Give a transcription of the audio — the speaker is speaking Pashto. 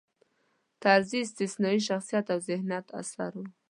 طرزی استثنايي شخصیت او ذهینت اثر و.